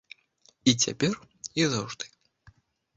І цяпер, і заўжды.